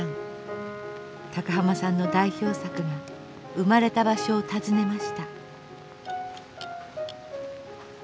高浜さんの代表作が生まれた場所を訪ねました。